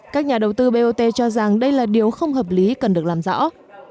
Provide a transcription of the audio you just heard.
các nhà đầu tư bot cho rằng đây là điều không hợp lý cần được làm rõ